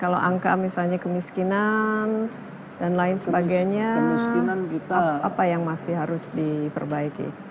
kalau angka misalnya kemiskinan dan lain sebagainya apa yang masih harus diperbaiki